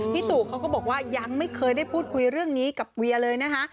พี่สุเขาก็บอกว่ายังไม่เคยได้พูดคุยเรื่องนี้กับเวียเลยนะคะ